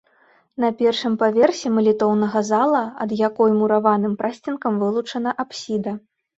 На першым паверсе малітоўная зала, ад якой мураваным прасценкам вылучана апсіда.